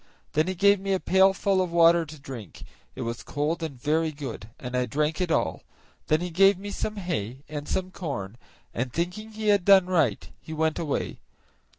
Then he gave me a pailful of water to drink; it was cold and very good, and I drank it all; then he gave me some hay and some corn, and thinking he had done right, he went away.